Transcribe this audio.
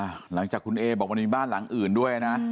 หลังจากคุณเอบอกมันมีบ้านหลังอื่นด้วยนะ